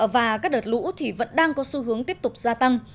và các đợt lũ thì vẫn đang có xu hướng tiếp tục gia tăng